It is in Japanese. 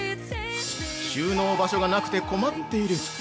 ◆収納場所がなくて困っている。